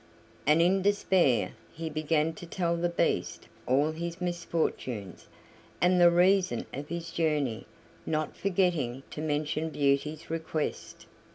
And in despair he began to tell the Beast all his misfortunes, and the reason of his journey, not forgetting to mention Beauty's request.